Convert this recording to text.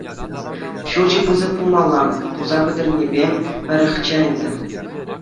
Ҫурчӗ пысӑк пулмалла, туса пӗтернӗпе пӗрехчӗ ӗнтӗ.